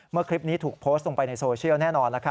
คลิปนี้ถูกโพสต์ลงไปในโซเชียลแน่นอน